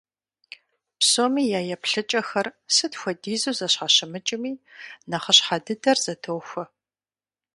Псоми я еплъыкӀэхэр, сыт хуэдизу зэщхьэщымыкӀми, нэхъыщхьэ дыдэр зэтохуэ.